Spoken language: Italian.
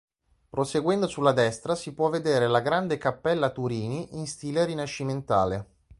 Proseguendo sulla destra, si può vedere la grande "Cappella Turini", in stile rinascimentale.